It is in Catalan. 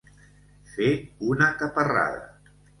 Fer una caparrada.